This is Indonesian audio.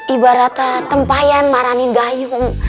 ibarat tempaian marah nih gayung